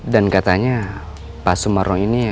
dan katanya pak semarno ini